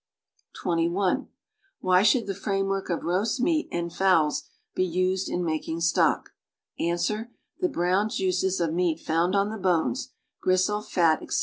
('21) Why slioiihl tlie framework of roast meat aiid fowls Ije useii in making stock.^ Ans. The browned juices of meat found on the bones, gristle, fat, etc.